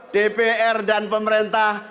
dpr dan pemerintah